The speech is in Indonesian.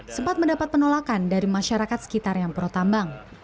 sempat mendapat penolakan dari masyarakat sekitar yang protambang